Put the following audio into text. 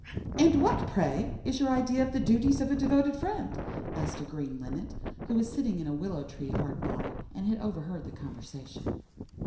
"And what, pray, is your idea of the duties of a devoted friend?" asked a Green Linnet, who was sitting in a willow tree hard by, and had overheard the conversation.